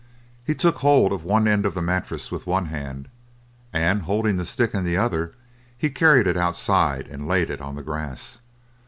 He took hold of one end of the mattress with one hand, and holding the stick in the other, he carried it outside and laid it on the grass.